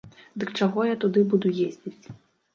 Дык чаго я туды буду ездзіць?